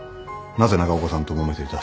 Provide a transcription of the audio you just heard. なぜ長岡さんともめていた？